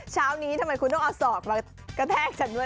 เช้านี้ทำไมคุณต้องเอาศอกมากระแทกฉันด้วย